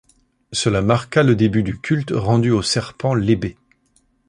Cela marqua le début du culte rendu au serpent lébé.